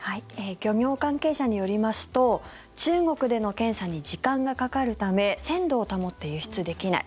漁業関係者によりますと中国での検査に時間がかかるため鮮度を保って輸出できない